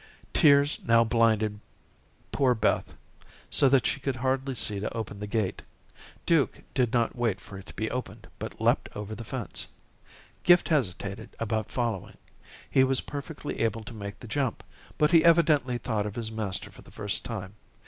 Tears now blinded poor Beth so that she could hardly see to open the gate. Duke did not wait for it to be opened, but leaped over the fence. Gift hesitated about following. He was perfectly able to make the jump, but he evidently thought of his master for the first time.